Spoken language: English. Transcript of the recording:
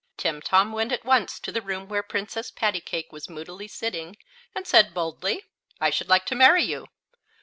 Timtom went at once to the room where Princess Pattycake was moodily sitting, and said, boldly: "I should like to marry you."